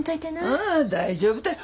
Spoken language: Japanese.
うん大丈夫たい。